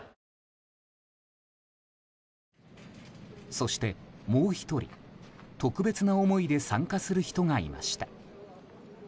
そしてもう１人、特別な思いで参加する人がいました。